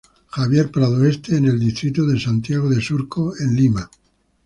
Javier Prado Este en el Distrito de Santiago de Surco en Lima.